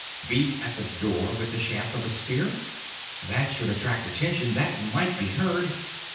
Beat at the door with the shaft of a spear? That should attract attention, that might be heard.